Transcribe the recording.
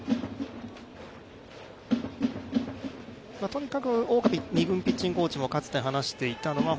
とにかく大家２軍ピッチングコーチもかつて話していたのは